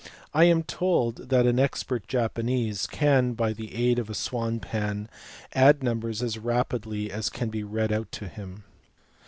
I am told that an expert Japanese can by the aid of a swan pan add numbers as rapidly as they can be read out to him.